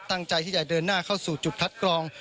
ตั้งใจที่จะเดินหน้าเข้าสู่จุดคัดกรอง